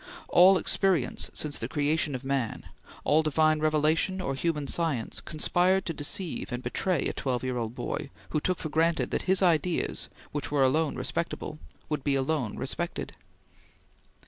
All experience since the creation of man, all divine revelation or human science, conspired to deceive and betray a twelve year old boy who took for granted that his ideas, which were alone respectable, would be alone respected.